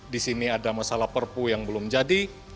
di sini ada masalah perpu yang belum jadi